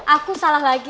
aku salah lagi